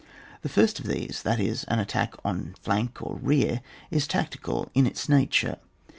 The first of these, that is, an attack on flank or rear is tactical in its nature.